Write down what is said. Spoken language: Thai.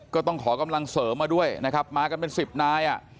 ก็ต้องขอกำลังเสริมมาด้วยนะครับมากันเป็นสิบนายอ่ะ